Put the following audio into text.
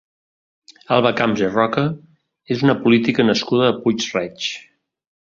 Alba Camps i Roca és una política nascuda a Puig-reig.